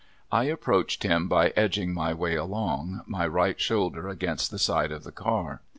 I approached him by edging my way along, my right shoulder against the side of the car.